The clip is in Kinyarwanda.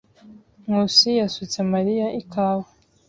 Nkusi yasutse Mariya ikawa.